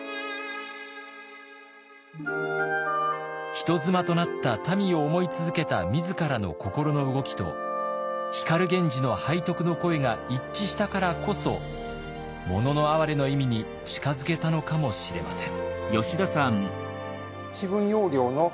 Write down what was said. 人妻となったたみを思い続けた自らの心の動きと光源氏の背徳の恋が一致したからこそ「もののあはれ」の意味に近づけたのかもしれません。